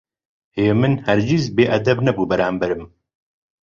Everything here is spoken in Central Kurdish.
هێمن هەرگیز بێئەدەب نەبووە بەرامبەرم.